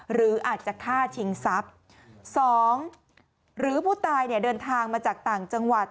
หรืออาจจะฆ่าชิงทรัพย์สองหรือผู้ตายเนี่ยเดินทางมาจากต่างจังหวัด